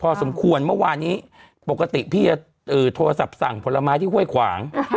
สมควรเมื่อวานนี้ปกติพี่จะโทรศัพท์สั่งผลไม้ที่ห้วยขวาง